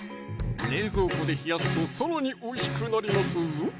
冷蔵庫で冷やすとさらにおいしくなりますぞ！